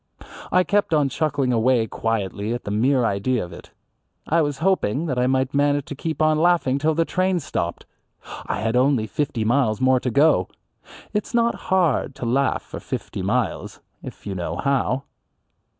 I kept on chuckling away quietly at the mere idea of it. I was hoping that I might manage to keep on laughing till the train stopped. I had only fifty miles more to go. It's not hard to laugh for fifty miles if you know how.